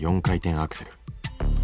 ４回転アクセル。